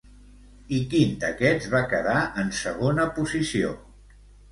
I quin d'aquests va quedar en segona posició?